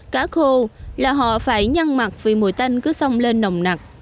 cá khô là họ phải nhăn mặt vì mùi tanh cứ song lên nồng nặt